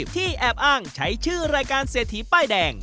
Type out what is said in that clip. ที่แอบอ้างใช้ชื่อรายการเศรษฐีป้ายแดง